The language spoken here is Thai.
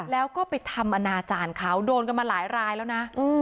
แล้วก็ไปทำอนาจารย์เขาโดนกันมาหลายรายแล้วนะ